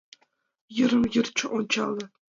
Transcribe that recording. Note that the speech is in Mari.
Йырым-йыр ончале.